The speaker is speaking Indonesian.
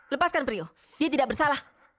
lepaskan priok dia tidak bersalah